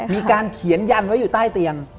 มีการเขียนยันไว้อยู่ใต้เตียง